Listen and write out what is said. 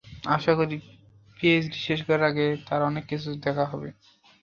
আশা করি পিএইচডি শেষ করার আগে আরও অনেক কিছুই দেখা হবে।